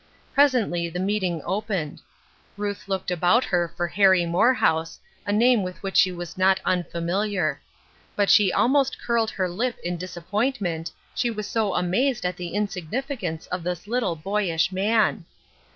Presently the meeting opened. Ruth looked about her for 344 Ruth Erskines Crosses, Harry Morehouse, a name with which she was not unfamiliar. But she almost curled her lip in disappointment, she was so amazed at the insig nificance of this little, boyish man